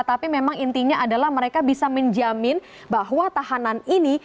tapi memang intinya adalah mereka bisa menjamin bahwa tahanan ini